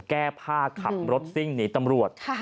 แก้ผ้าขับรถซิ่งหนีตำรวจ